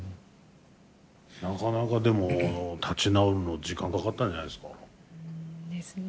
なかなかでも立ち直るの時間かかったんじゃないですか？ですね。